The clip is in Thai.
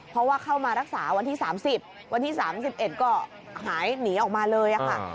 เพราะว่าเข้ามารักษาวันที่สามสิบวันที่สามสิบเอ็ดก็หายหนีออกมาเลยอ่ะค่ะ